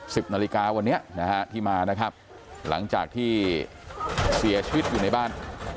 สิบนาฬิกาวันนี้นะฮะที่มานะครับหลังจากที่เสียชีวิตอยู่ในบ้าน